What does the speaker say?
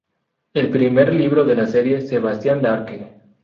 El primer libro de la serie, "Sebastian Darke.